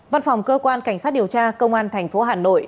văn phòng cơ quan cảnh sát điều tra công an thành phố hà nội